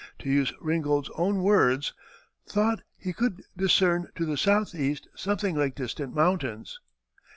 to use Ringgold's own words, "thought he could discern to the southeast something like distant mountains."